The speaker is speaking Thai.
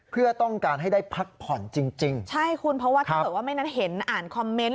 เพื่อต้องการให้ได้พักผ่อนจริงจริงใช่คุณเพราะว่าถ้าเกิดว่าไม่นัดเห็นอ่านคอมเมนต์